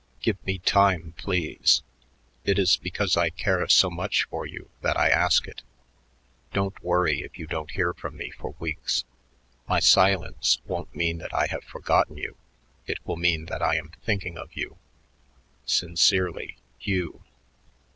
Give me time, please. It is because I care so much for you that I ask it. Don't worry if you don't hear from me for weeks. My silence won't mean that I have forgotten you; it will mean that I am thinking of you. Sincerely, HUGH.